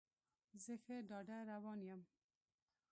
زه ښه ډاډه روان یم.